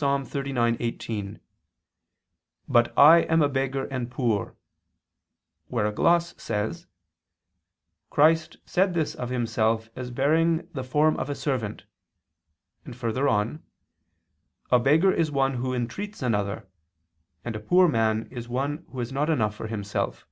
39:18, "But I am a beggar and poor"; where a gloss says: "Christ said this of Himself as bearing the 'form of a servant,'" and further on: "A beggar is one who entreats another, and a poor man is one who has not enough for himself."